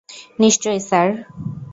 নিশ্চয়ই, স্যার।